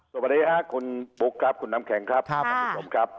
สวัสดีค่ะคุณบุ๊คคุณน้ำแข็งคุณผู้ชมครับ